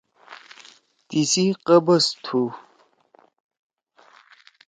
تی سی قبض تُھو۔